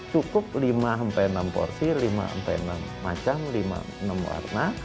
cukup lima sampai enam porsi lima sampai enam macam lima enam warna